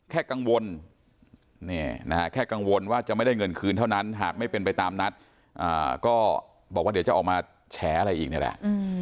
แค่กังวลแค่กังวลว่าจะไม่ได้เงินคืนเท่านั้นหากไม่เป็นไปตามนัดก็บอกว่าเดี๋ยวจะออกมาแฉอะไรอีกนี่แหละ